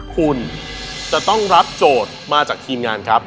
คุณจะต้องรับโจทย์มาจากทีมงานครับ